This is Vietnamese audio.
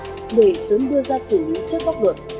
người sớm đưa ra xử lý trước pháp luật